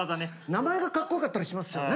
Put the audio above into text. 名前がかっこよかったりしますよね。